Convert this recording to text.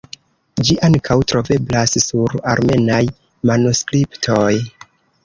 Ĝi ankaŭ troveblas sur armenaj manuskriptoj.